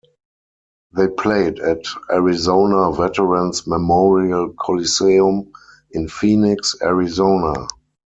They played at Arizona Veterans Memorial Coliseum in Phoenix, Arizona.